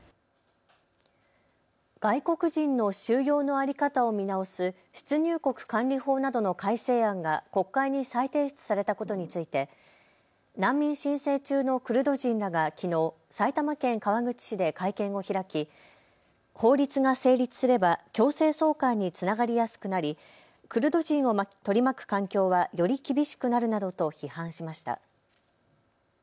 外国人の収容の在り方を見直す出入国管理法などの改正案が国会に再提出されたことについて難民申請中のクルド人らがきのう埼玉県川口市で会見を開き法律が成立すれば強制送還につながりやすくなりクルド人を取り巻く環境はより厳しくなるなどと批判しました。